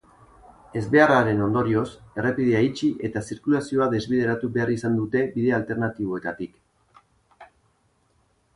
Ezbeharraren ondorioz, errepidea itxi eta zirkulazioa desbideratu behar izan dute ibilbide alternatiboetatik.